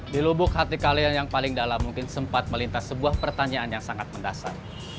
di lubuk hati kalian yang paling dalam mungkin sempat melintas sebuah pertanyaan yang sangat mendasar